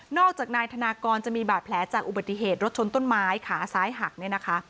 จากนายธนากรจะมีบาดแผลจากอุบัติเหตุรถชนต้นไม้ขาซ้ายหักเนี่ยนะคะ